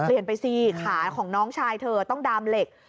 ไปสิขาของน้องชายเธอต้องดามเหล็ก